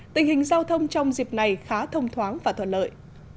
tình hình giao thông trong dịp này khá thông thoáng và thuận lợi